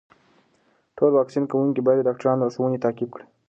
ټول واکسین کوونکي باید د ډاکټرانو لارښوونې تعقیب کړي.